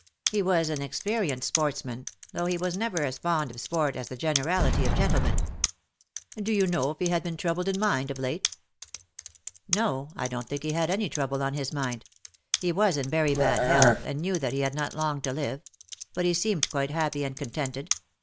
He was an experienced sportsman, though he was never as fond of sport as the generality of gentlemen." 60 '^DUST TO DUST." " Do you know if he had been troubled in mind of late ?^^" No ; I don^t think he had any trouble on his mind. He was in very bad health, and knew that he had not long to live ; but he seemed quite happy and contented.